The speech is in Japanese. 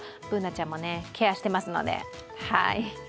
Ｂｏｏｎａちゃんもケアしてますので。